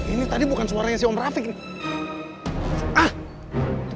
ini tadi bukan suaranya si om rafiq nih